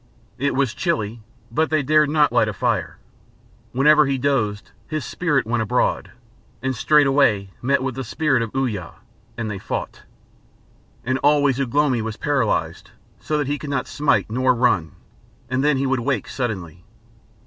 It was chilly, but they dared not light a fire. Whenever he dozed, his spirit went abroad, and straightway met with the spirit of Uya, and they fought. And always Ugh lomi was paralysed so that he could not smite nor run, and then he would awake suddenly.